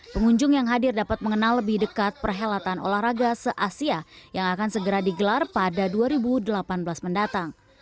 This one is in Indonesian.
pengunjung yang hadir dapat mengenal lebih dekat perhelatan olahraga se asia yang akan segera digelar pada dua ribu delapan belas mendatang